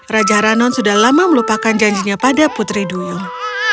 raja ranon sudah lama melupakan janjinya pada putri duyung